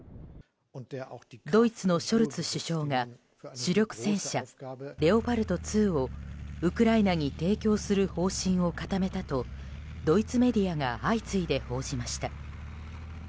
ドイツのショルツ首相が主力戦車レオパルト２をウクライナに提供する方針を固めたとドイツメディアが相次いで報じました。